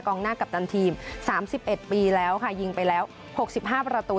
กองหน้ากัปตันทีมสามสิบเอ็ดปีแล้วค่ะยิงไปแล้วหกสิบห้าประตู